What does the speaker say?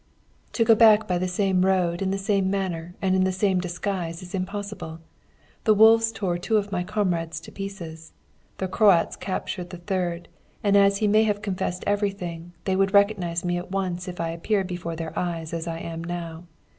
"'To go back by the same road in the same manner and the same disguise is impossible. The wolves tore two of my comrades to pieces, the Croats captured the third, and as he may have confessed everything, they would recognise me at once if I appeared before their eyes as I am now.